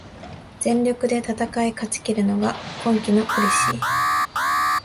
全力で戦い勝ちきるのが今季のポリシー